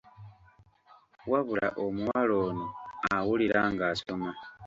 Wabula omuwala ono awulirwa ng'asoma.